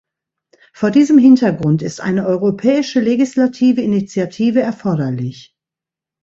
Vor diesem Hintergrund ist eine europäische legislative Initiative erforderlich.